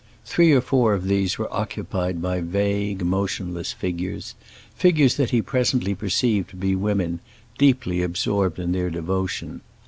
Three or four of these were occupied by vague, motionless figures—figures that he presently perceived to be women, deeply absorbed in their devotion.